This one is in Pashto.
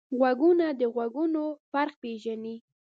غوږونه د غږونو فرق پېژني